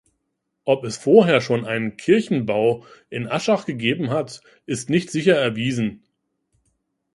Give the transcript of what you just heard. Ob es vorher schon einen Kirchenbau in Aschach gegeben hat, ist nicht sicher erwiesen.